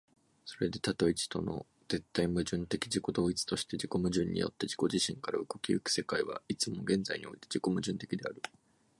それで多と一との絶対矛盾的自己同一として、自己矛盾によって自己自身から動き行く世界は、いつも現在において自己矛盾的である。